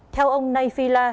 theo ông nay phi la